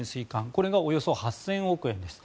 これがおよそ８０００億円です。